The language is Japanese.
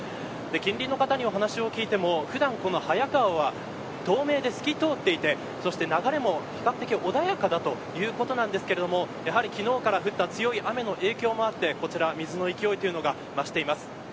近隣の方にお話を聞いても普段、この川は透明で透き通っていてそして流れも比較的穏やかだということなんですけれどもやはり昨日から降った強い雨の影響もあってこちら、水の勢いが増しています。